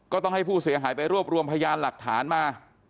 ต้องให้ผู้เสียหายไปรวบรวมพยานหลักฐานมา